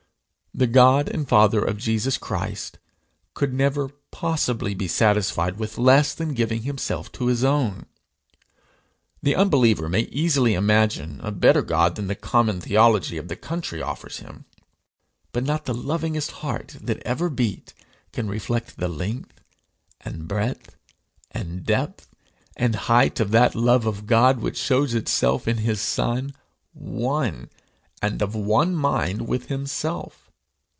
The God and Father of Jesus Christ could never possibly be satisfied with less than giving himself to his own! The unbeliever may easily imagine a better God than the common theology of the country offers him; but not the lovingest heart that ever beat can even reflect the length and breadth and depth and height of that love of God which shows itself in his Son one, and of one mind, with himself.